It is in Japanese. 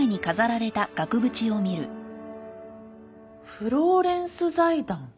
フローレンス財団？